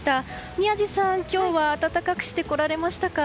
宮司さん、今日は暖かくして来られましたか？